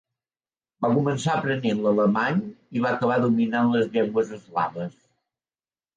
Va començar aprenent l'alemany i va acabar dominant les llengües eslaves.